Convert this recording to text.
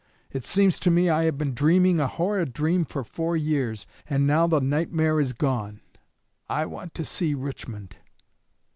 It seems to me I have been dreaming a horrid dream for four years, and now the nightmare is gone. _I want to see Richmond.